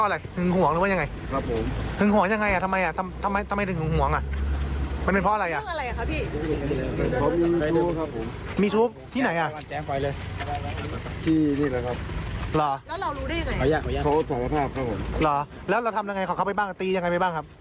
แล้วเราทำยังไงของเขาไปบ้างตียังไงไปบ้างครับ